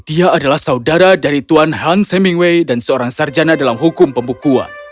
dia adalah saudara dari tuan hans semingguway dan seorang sarjana dalam hukum pembukuan